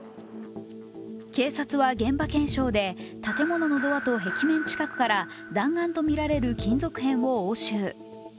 警察は現場検証で建物のドアと壁面近くから弾丸とみられる金属片を押収。